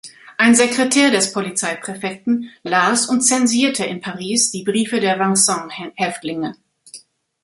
Ein Sekretär des Polizeipräfekten las und zensierte in Paris die Briefe der Vincennes-Häftlinge.